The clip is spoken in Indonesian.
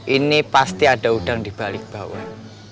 ini pasti ada udang dibalik bawah